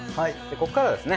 ここからですね